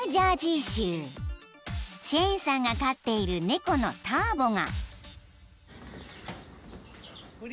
［シェーンさんが飼っている猫のターボが］